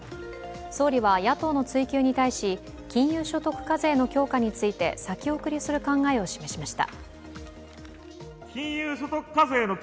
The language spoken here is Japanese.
総理は野党の追究に対して金融所得課税の強化について先送りする考えを示しました。